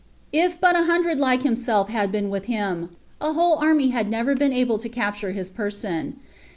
If but a hundred like himself had bten with him, a whole army had never been able lo capiirre his person ; y«.